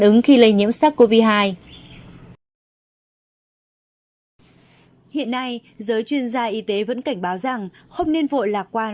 ứng khi lây nhiễm sars cov hai hiện nay giới chuyên gia y tế vẫn cảnh báo rằng không nên vội lạc quan